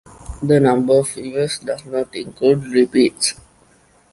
The number of viewers does not include repeats.